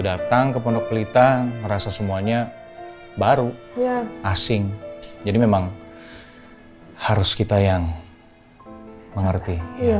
datang ke pondok pelita merasa semuanya baru asing jadi memang harus kita yang mengerti